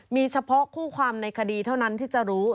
มีเฉพาะคู่ความในคดีเท่านั้นที่จะรู้